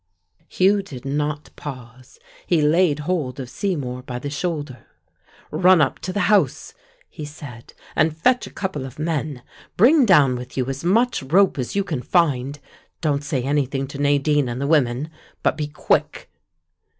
Hugh did not pause. He laid hold of Seymour by the shoulder. "Run up to the house," he said, "and fetch a couple of men. Bring down with you as much rope as you can find. Don't say anything to Nadine and the women. But be quick."